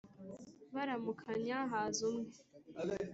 baramukanya haza umwe